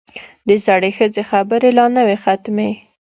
د زړې ښځې خبرې لا نه وې ختمې.